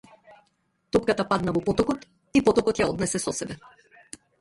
Топката падна во потокот и потокот ја однесе со себе.